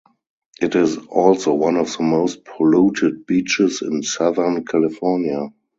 It is also one of the most polluted beaches in Southern California.